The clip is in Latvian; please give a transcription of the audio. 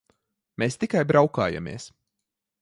Mēs tikai braukājāmies.